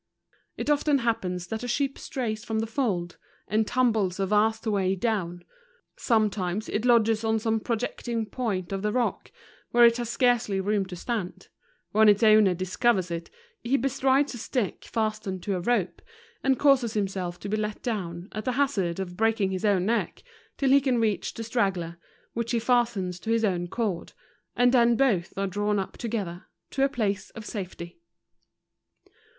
It often happens that a sheep strays from the fold, and tumbles a vast way down: sometimes it lodges on some projecting point of the rock, where it has scarcely room to stand; when its owner discovers it, he bestrides a stifck fastened to a rope, and causes himself to be let down, at the hazard of breaking his own neck, till he can reach the straggler, which he fastens to his own cord; and then both are drawn up to¬ gether, to a place of safety.